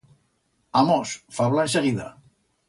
Amos, fabla enseguida.